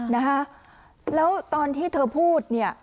นะคะแล้วตอนที่เธอพูดเนี่ย